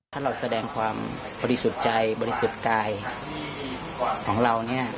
ถ้าเราแสดงความบริสุทธิ์ใจบริสุทธิ์กายของเราเนี่ย